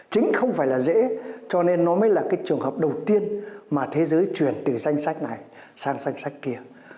chính không phải là dễ cho nên nó mới là cái trường hợp đầu tiên mà thế giới chuyển từ danh sách này sang danh sách kia